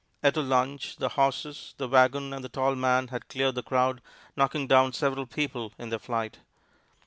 At a lunge, the horses, the wagon and the tall man had cleared the crowd, knocking down several people in their flight.